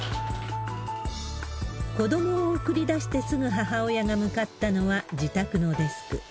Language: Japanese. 子どもを送り出してすぐ母親が向かったのは、自宅のデスク。